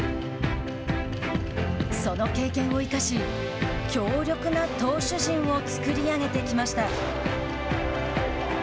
その経験を生かし強力な投手陣をつくり上げてきました。